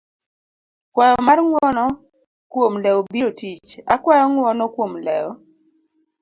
kwayo mar ng'uono kuom lewo biro tich, akwayo ng'uono kuom lewo